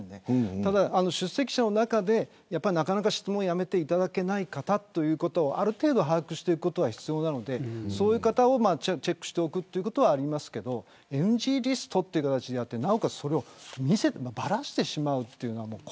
ただ、出席者の中でなかなか質問をやめていただけない方というのをある程度把握しておくことは必要なのでそういう方のチェックをしておくことはありますがＮＧリストという形でやってなおかつ、それをばらしてしまうというのは。